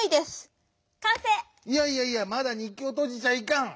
いやいやいやまだにっきをとじちゃいかん！